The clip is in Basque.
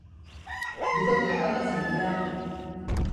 Bikotea banatzen ari da.